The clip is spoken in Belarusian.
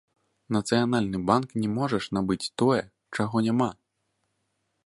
Нацыянальны банк не можа ж набыць тое, чаго няма!